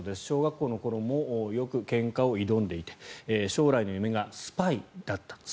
小学校の頃もよくけんかを挑んでいて将来の夢がスパイだった。